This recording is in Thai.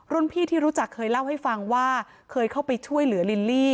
พี่ที่รู้จักเคยเล่าให้ฟังว่าเคยเข้าไปช่วยเหลือลิลลี่